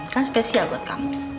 kan spesial buat kamu